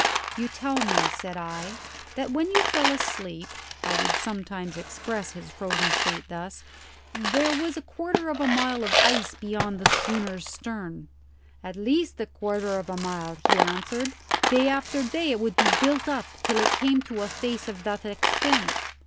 "You tell me," said I, "that when you fell asleep" I would sometimes express his frozen state thus "there was a quarter of a mile of ice beyond the schooner's stern." "At least a quarter of a mile," he answered. "Day after day it would be built up till it came to a face of that extent."